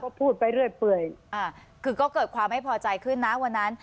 ก็พูดไปเรื่อยเปื่อยคือก็เกิดความไม่พอใจขึ้นนะวันนั้น